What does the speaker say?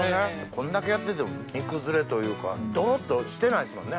こんだけやってても煮崩れというかどろっとしてないですもんね。